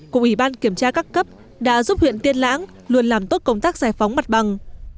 của ủy ban kiểm tra các cấp đã giúp huyện tiên lãng luôn làm tốt công tác giải phóng mặt bằng